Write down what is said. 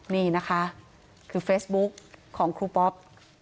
นี่นะคะคือเฟซบุ๊กของครูป๊อป